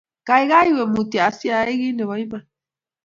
Kaikai iwe mutyo asiyai kiy nebo iman